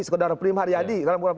sekedar prim hariadi